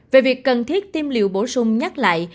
về việc cần thiết tiêm liều bổ sung nhắc lại